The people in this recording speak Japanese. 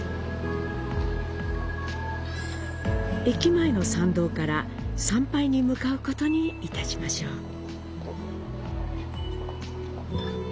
駅前の参道から参拝に向かうことにいたしましょう。